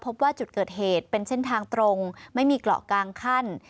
พบว่าจุดเกิดเหตุเป็นเส้นทางตรงไม่มีเกาะกลางขั้น